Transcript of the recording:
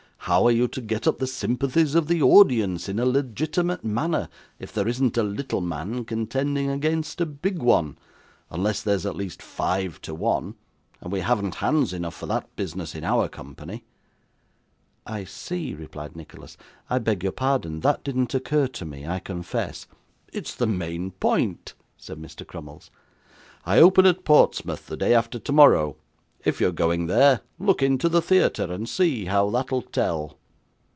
How are you to get up the sympathies of the audience in a legitimate manner, if there isn't a little man contending against a big one? unless there's at least five to one, and we haven't hands enough for that business in our company.' 'I see,' replied Nicholas. 'I beg your pardon. That didn't occur to me, I confess.' 'It's the main point,' said Mr. Crummles. 'I open at Portsmouth the day after tomorrow. If you're going there, look into the theatre, and see how that'll tell.